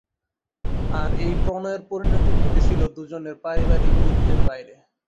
আর এই প্রণয়ের পরিণতি ঘটেছিল দুজনের পারিবারিক বৃত্তের বাইরে।